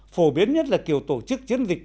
phổ biến nhất là kiểu tổ chức chiến dịch